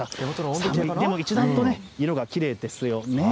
寒い、でも一段と色がきれいですよね。